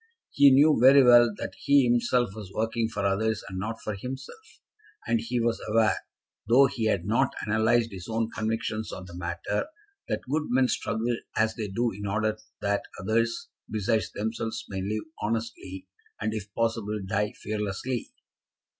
He knew very well that he himself was working for others, and not for himself; and he was aware, though he had not analysed his own convictions on the matter, that good men struggle as they do in order that others, besides themselves, may live honestly, and, if possible, die fearlessly.